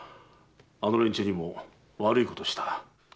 あの連中にも悪いことをした。